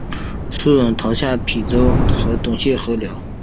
苏茂逃到下邳郡和董宪合流。